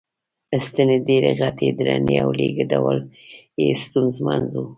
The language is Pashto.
ستنې ډېرې غټې، درنې او لېږدول یې ستونزمن و.